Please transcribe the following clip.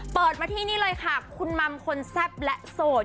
เปิดมาที่นี่เลยค่ะคุณมัมคนแซ่บและโสด